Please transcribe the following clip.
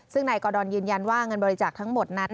ซึ่งนายกอดอนยืนยันว่าเงินบริจาคทั้งหมดนั้น